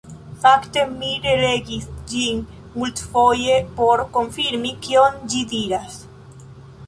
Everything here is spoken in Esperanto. Fakte mi relegis ĝin multfoje por konfirmi kion ĝi diras.